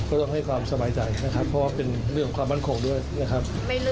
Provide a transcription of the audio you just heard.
ต้องให้ความสบายใจนะครับเพราะว่าเป็นเรื่องของความมั่นคงด้วยนะครับ